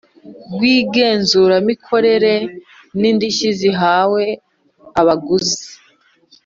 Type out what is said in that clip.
rw igenzuramikorere Indishyi zihawe abaguzi